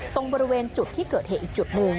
ตรงบริเวณจุดที่เกิดเหตุอีกจุดหนึ่ง